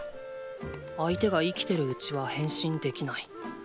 相手が生きてるうちは変身できない。